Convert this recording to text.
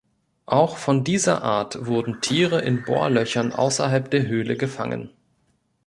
Auch von dieser Art wurden Tiere in Bohrlöchern außerhalb der Höhle gefangen.